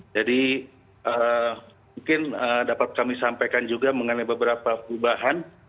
jadi mungkin dapat kami sampaikan juga mengenai beberapa perubahan